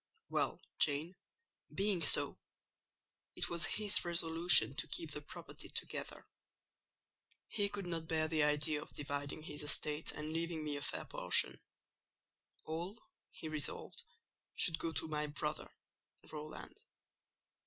"Well, Jane, being so, it was his resolution to keep the property together; he could not bear the idea of dividing his estate and leaving me a fair portion: all, he resolved, should go to my brother, Rowland.